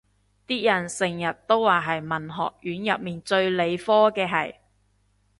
啲人成日都話係文學院入面最理科嘅系